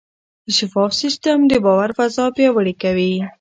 شفاف سیستم د باور فضا پیاوړې کوي.